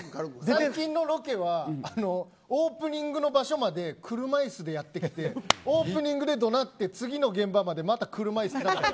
最近のロケはオープニングの場所まで車いすでやってきてオープニングで止まってまた車いすでって。